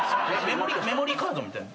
メモリーカードみたいな？